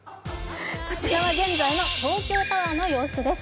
こちらは現在の東京タワーの様子です。